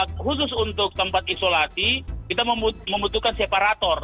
khusus untuk tempat isolasi kita membutuhkan separator